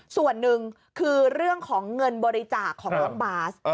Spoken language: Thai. ส่วนหนึ่งคือเรื่องของเงินบริจาคของน้องบาส